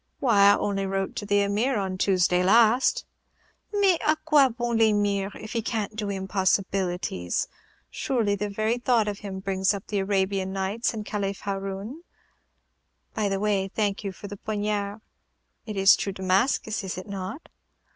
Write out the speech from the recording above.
"Why, I only wrote to the Emir on Tuesday last." "Mais à quoi bon l'Emir if he can't do impossibilities? Surely the very thought of him brings up the Arabian Nights and the Calif Haroun. By the way, thank you for the poignard. It is true Damascus, is it not?"